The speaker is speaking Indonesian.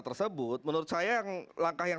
tersebut menurut saya yang langkah yang